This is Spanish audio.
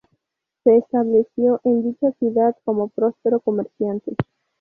Se estableció en dicha ciudad como próspero comerciante.